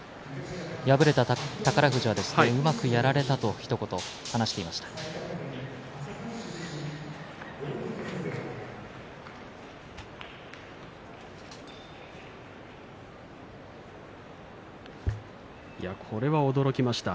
敗れた宝富士はうまくやられたとひと言、話していました。